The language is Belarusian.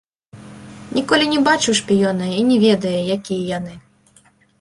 Ніколі не бачыў шпіёна і не ведае, якія яны.